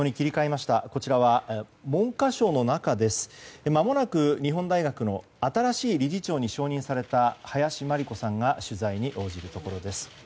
まもなく日本大学の新しい理事長に就任された林真理子さんが取材に応じるところです。